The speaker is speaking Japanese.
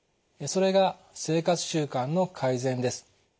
それが生活習慣の改善です。